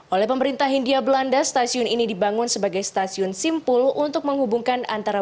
oleh pemerintah hindia belanda stasiun ini dibangun sebagai stasiun simpul untuk menghubungkan antara